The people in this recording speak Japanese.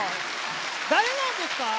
だれなんですか？